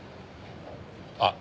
あっ。